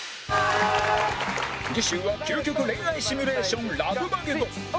次週は究極恋愛シミュレーションラブマゲドン